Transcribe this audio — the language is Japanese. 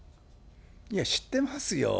いや、知ってますよ。